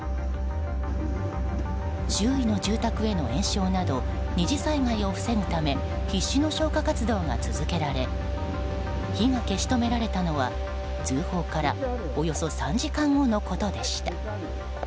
周囲の住宅への延焼など２次災害を防ぐため必死の消火活動が続けられ火が消し止められたのは通報からおよそ３時間後のことでした。